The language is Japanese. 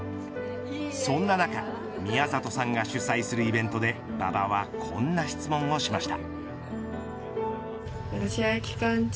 そんな中、宮里さんが主催するイベントで馬場はこんな質問をしました。